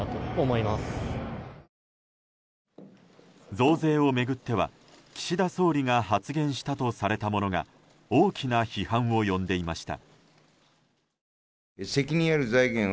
増税を巡っては、岸田総理が発言したとされたものが大きな批判を呼んでいました。